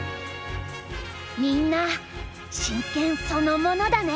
みんな真剣そのものだね。